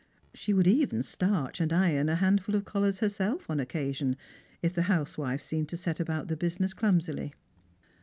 She would even starch and iron a handful of collars herself, on occasion, if the housewife seemed to set about the business clumsily.